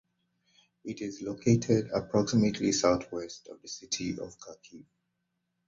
It is located approximately southwest of the city of Kharkiv.